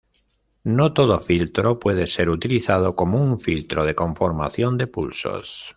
No todo filtro puede ser utilizado como un filtro de conformación de pulsos.